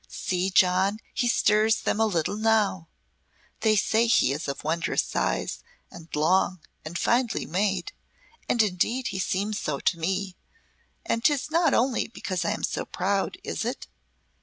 See, John, he stirs them a little now. They say he is of wondrous size and long and finely made, and indeed he seems so to me and 'tis not only because I am so proud, is it?"